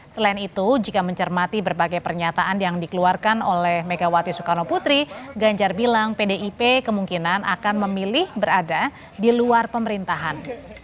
selain itu jika mencermati berbagai pernyataan yang dikeluarkan oleh megawati soekarno putri ganjar bilang pdip kemungkinan akan memilih berada di luar pemerintahan